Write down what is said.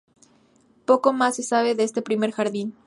Poco más se sabe de este primer jardín.